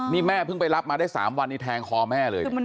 นี่แม่เพิ่งไปรับมาได้๓วันนี้แทงคอแม่เลย